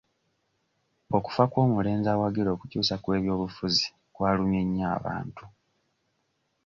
Okufa kw'omulenzi awagira okukyusa kw'ebyobufuzi kwalumye nnyo abantu.